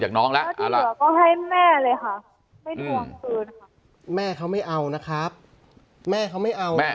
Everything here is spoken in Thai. จากน้องแล้วก็ให้แม่เลยค่ะแม่เขาไม่เอานะครับแม่เขาไม่เอา